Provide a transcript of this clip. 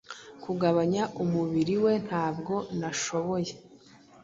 Kugabanya umubiri we Ntabwo nashoboye